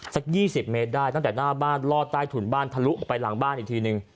สัก๒๐เมตรได้ตั้งแต่หน้าบ้านลอดใต้ถุนบ้านทะลุออกไปหลังบ้านอีกทีนึง